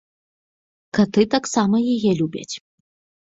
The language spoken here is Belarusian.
Каты таксама яе любяць.